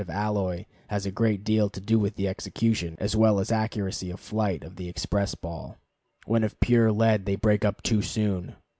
of alloy has a great deal to do with the execution, as well as accuracy of flight, of the express ball. When of pure lead they break up too soon.